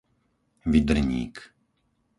Vydrník